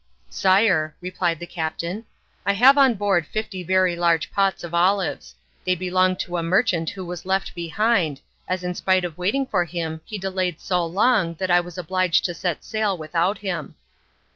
"Sire," replied the captain, "I have on board fifty very large pots of olives. They belong to a merchant who was left behind, as in spite of waiting for him he delayed so long that I was obliged to set sail without him."